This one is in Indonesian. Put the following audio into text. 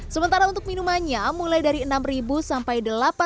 sementara untuk minumannya mulai dari enam sampai delapan belas lima ratus